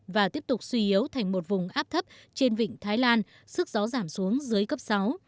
và tiếp tục suy yếu thành một vùng áp thấp trên vịnh thái lan sức gió giảm xuống dưới cấp sáu